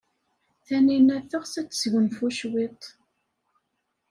Taninna teɣs ad tesgunfu cwiṭ.